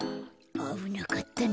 あぶなかったな。